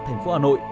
thành phố hà nội